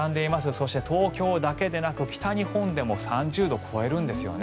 そして、東京だけでなく北日本でも３０度を超えるんですよね。